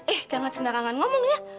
eh jangan sembarangan ngomong ya